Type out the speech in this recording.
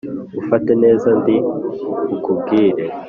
Ufate neza ndi bukubwire!